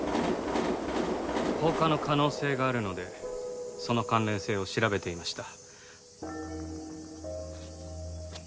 放火の可能性があるのでその関連性を調べていました。